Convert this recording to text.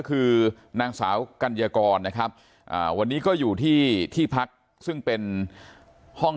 คือนางสาวกัญญากรนะครับวันนี้ก็อยู่ที่ที่พักซึ่งเป็นห้อง